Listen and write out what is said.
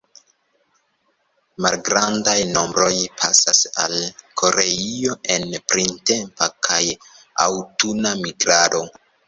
Malgrandaj nombroj pasas al Koreio en printempa kaj aŭtuna migrado.